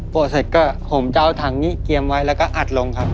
เสร็จก็ผมจะเอาถังนี้เกียมไว้แล้วก็อัดลงครับ